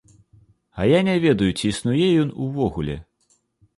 А я не ведаю, ці існуе ён увогуле.